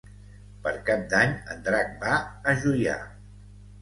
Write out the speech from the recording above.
Per Cap d'Any en Drac va a Juià.